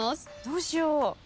どうしよう。